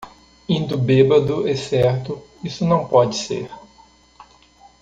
Indo bêbado e certo, isso não pode ser.